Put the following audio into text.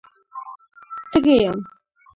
_تږی يم.